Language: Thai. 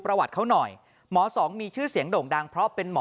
ประวัติเขาหน่อยหมอสองมีชื่อเสียงโด่งดังเพราะเป็นหมอ